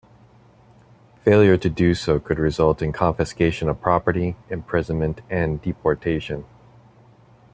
Failure to do so could result in confiscation of property, imprisonment and deportation.